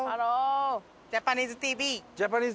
ジャパニーズＴＶ。